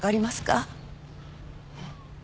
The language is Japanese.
えっ？